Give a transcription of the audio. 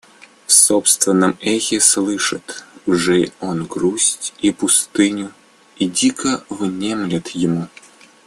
В собственном эхе слышит уже он грусть и пустыню и дико внемлет ему.